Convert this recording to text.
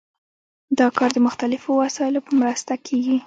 دا کار د مختلفو وسایلو په مرسته کیږي.